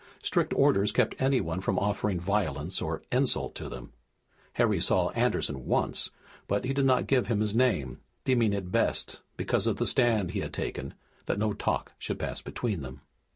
Strict orders kept anyone from offering violence or insult to them. Harry saw Anderson once, but he did not give him his name, deeming it best, because of the stand that he had taken, that no talk should pass between them.